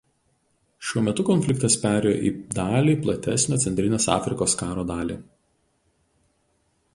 Šiuo metu konfliktas perėjo į dalį platesnio Centrinės Afrikos karo dalį.